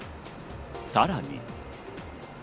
さらに。